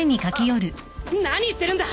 何してるんだ！